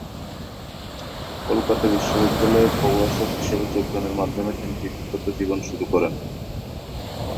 কলকাতা বিশ্ববিদ্যালয়ে প্রভাষক হিসেবে যোগদানের মাধ্যমে তিনি শিক্ষকতা জীবন শুরু করেন।